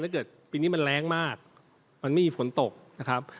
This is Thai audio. เกิดปีนี้มันแรงมากมันไม่มีฝนตกนะครับ